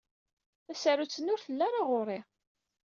Tasarut-nni ur telli ara ɣer-i.